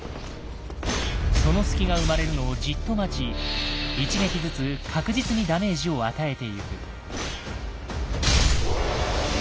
その隙が生まれるのをじっと待ち一撃ずつ確実にダメージを与えてゆく。